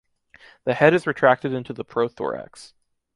The head is retracted into the prothorax.